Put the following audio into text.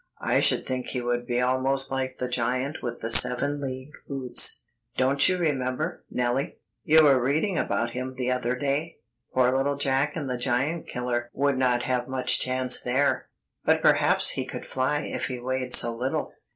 I should think he would be almost like the giant with the seven league boots. Don't you remember, Nellie, you were reading about him the other day. Poor little Jack the Giant Killer would not have much chance there, but perhaps he could fly if he weighed so little.